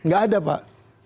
gak ada pak